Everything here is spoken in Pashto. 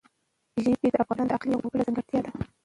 ژبې د افغانستان د اقلیم یوه بله ځانګړتیا ده.